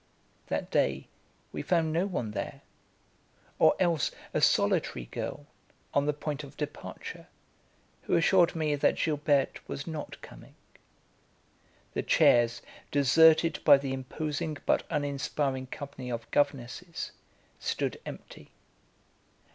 That day we found no one there, or else a solitary girl, on the point of departure, who assured me that Gilberte was not coming. The chairs, deserted by the imposing but uninspiring company of governesses, stood empty.